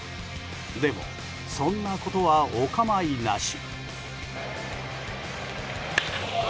でも、そんなことはお構いなし。